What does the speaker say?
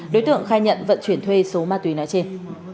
đối tượng khai nhận vận chuyển thuê số ma túy nói trên